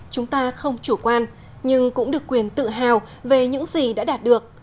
chúng ta không chủ quan nhưng cũng được quyền tự hào về những gì đã đạt được